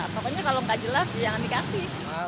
pokoknya kalau nggak jelas jangan dikasih